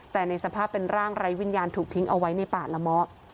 แต่ในสภาพเป็นร่างไร้วิญญาณถูกทิ้งเอาไว้ในป่าละเมาะ